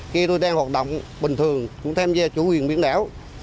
khi tôi đang hoạt động bình thường cũng tham gia chủ quyền biển đảo